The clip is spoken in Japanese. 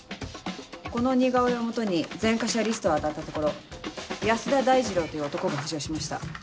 この似顔絵を基に前科者リストを当たったところ安田大二郎という男が浮上しました。